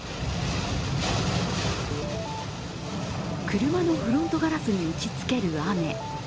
車のフロントガラスに打ちつける雨。